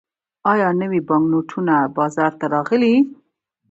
آیا نوي بانکنوټونه بازار ته راغلي؟